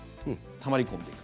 たまり込んでいく。